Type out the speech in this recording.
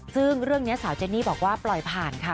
ซึ่งเรื่องนี้สาวเจนนี่บอกว่าปล่อยผ่านค่ะ